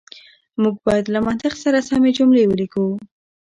موږ بايد له منطق سره سمې جملې وليکو.